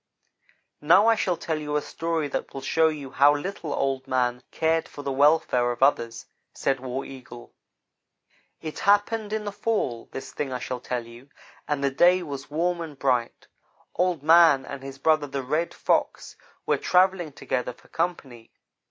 "Now I shall tell you a story that will show you how little Old man cared for the welfare of others," said War Eagle. "It happened in the fall, this thing I shall tell you, and the day was warm and bright. Old man and his brother the Red Fox were travelling together for company.